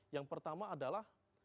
yang pertama adalah